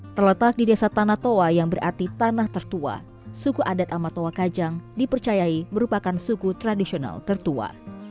terletak di desa tanah toa yang berarti tanah tertua suku adat amatowa kajang dipercayai merupakan suku tradisional tertua